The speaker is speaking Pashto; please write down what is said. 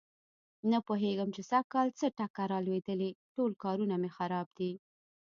نه پوهېږم چې سږ کل څه ټکه را لوېدلې ټول کارونه مې خراب دي.